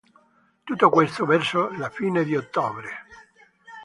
Tutto questo verso la fine di ottobre.